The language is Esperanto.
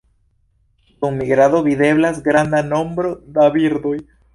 Dum migrado videblas granda nombro da birdoj.